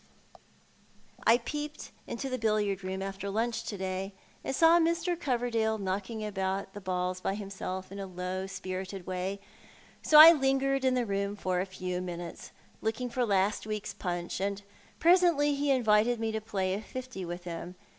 2 ; I peeped into the billiard room after lunch to day, and saw Mr. Coverdale knocking about the balls by himself in a low spirited way, so I lingered in the room for a few minutes, looking for last week's Punch, and presently he invited me to play a fifty with him.